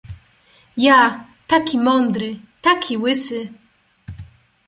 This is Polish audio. "Ja, taki mądry, taki łysy!..."